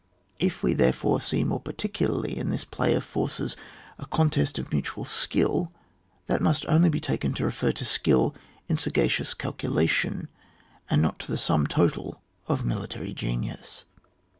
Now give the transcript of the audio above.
If we, therefore, see rilore particularly in this play of forces a contest of mutual skill, that must only be taken to refer to ^ skill in sagacious calculation, and not to ^he sum total of military genius.